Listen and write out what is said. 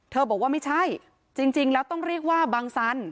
บอกว่าไม่ใช่จริงแล้วต้องเรียกว่าบังสัน